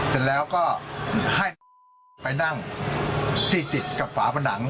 เสร็จแล้วก็ให้ไปนั่งที่ติดกับฝาผนัง